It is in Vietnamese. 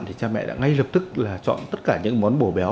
thì cha mẹ đã ngay lập tức là chọn tất cả những món bổ béo